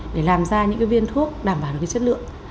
để làm ra những cái viên thuốc đảm bảo được cái chất lượng